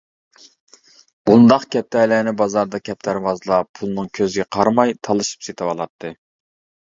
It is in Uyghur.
بۇنداق كەپتەرلەرنى بازاردا كەپتەرۋازلار پۇلنىڭ كۆزىگە قارىماي تالىشىپ سېتىۋالاتتى.